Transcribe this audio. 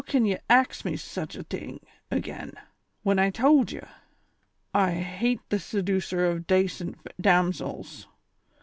how kin ye axe me sich a ting agin, whin I towld ye ? I hate tlie seducer of dacent darasils.